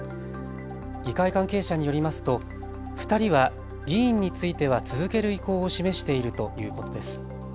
議会関係者によりますと２人は議員については続ける意向を示しているということです。